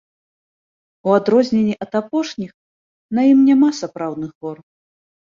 У адрозненні ад апошніх, на ім няма сапраўдных гор.